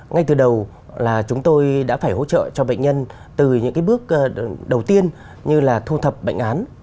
ngay từ đầu là chúng tôi đã phải hỗ trợ cho bệnh nhân từ những bước đầu tiên như là thu thập bệnh án